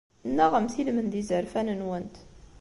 Nnaɣemt i lmend n yizerfan-nwent.